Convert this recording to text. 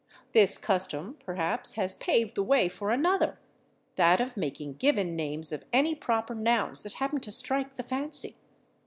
This custom, perhaps, has paved the way for another: that of making given names of any proper nouns that happen to strike the fancy.